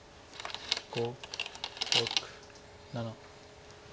５６７。